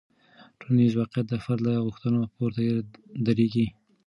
ټولنیز واقیعت د فرد له غوښتنو پورته دریږي.